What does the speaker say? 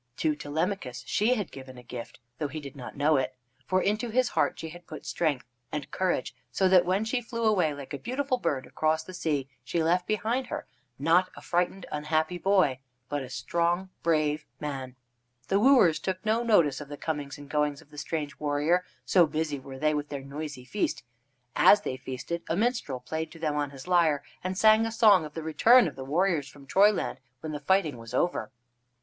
To Telemachus she had given a gift, though he did not know it. For into his heart she had put strength and courage, so that when she flew away like a beautiful bird across the sea she left behind her, not a frightened, unhappy boy, but a strong, brave man. The wooers took no notice of the comings and goings of the strange warrior, so busy were they with their noisy feast. As they feasted a minstrel played to them on his lyre, and sang a song of the return of the warriors from Troyland when the fighting was over.